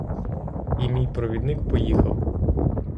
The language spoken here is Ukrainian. І мій провідник поїхав.